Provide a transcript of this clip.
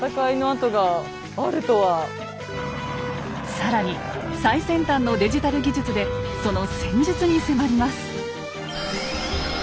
更に最先端のデジタル技術でその戦術に迫ります。